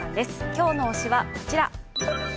今日の推しはこちら。